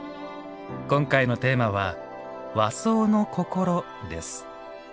今回のテーマは「和装のこころ」です。